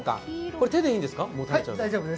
これ、手でいいんですか。